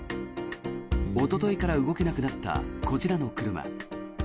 おとといから動けなくなったこちらの車。